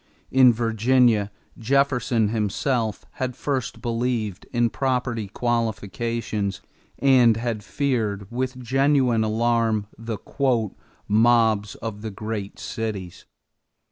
In Virginia, Jefferson himself had first believed in property qualifications and had feared with genuine alarm the "mobs of the great cities."